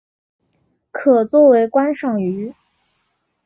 可做为观赏鱼。